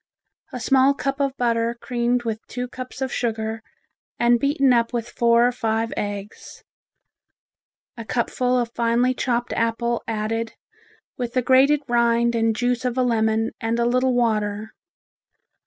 A small cup of butter creamed with two cups of sugar and beaten up with four or five eggs, a cupful of finely chopped apple added, with the grated rind and juice of a lemon and a little water.